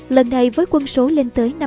lần này với quân số lên tới